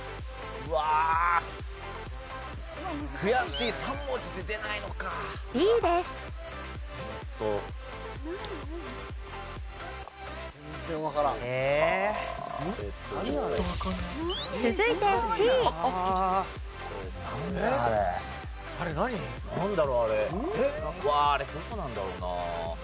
うわあれどこなんだろうな。